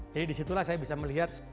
jadi disitulah saya bisa melihat